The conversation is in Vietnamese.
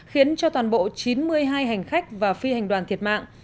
khiến cho toàn bộ chín mươi hai hành khách và phi hành đoàn thiệt mạng